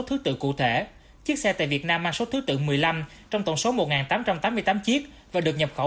thứ tự cụ thể chiếc xe tại việt nam mang số thứ tự một mươi năm trong tổng số một tám trăm tám mươi tám chiếc và được nhập khẩu